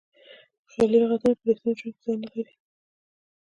خیالي لغتونه په ریښتیني ژوند کې ځای نه لري.